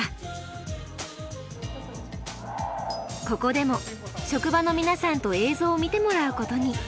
ここでも職場の皆さんと映像を見てもらうことに。